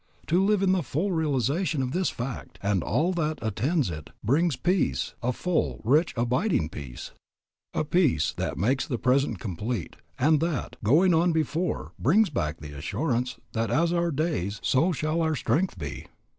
To live in the full realization of this fact and all that attends it brings peace, a full, rich, abiding peace, a peace that makes the present complete, and that, going on before, brings back the assurance that as our days, so shall our strength be.